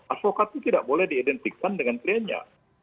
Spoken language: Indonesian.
advokat itu tidak boleh diidentifikkan dengan kerennya